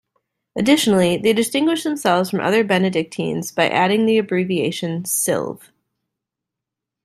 Additionally, they distinguish themselves from other Benedictines by adding the abbreviation Silv.